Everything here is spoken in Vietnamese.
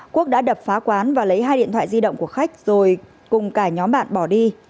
quốc đã đập phá quán và lấy hai điện thoại di động của khách rồi cùng cả nhóm bạn bỏ đi